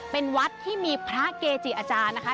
เป็นวัดที่มีพระเกจิอาจารย์นะคะ